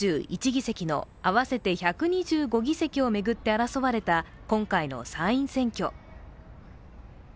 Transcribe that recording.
１議席の合わせて１２５議席を巡って争われた今回の参院選挙。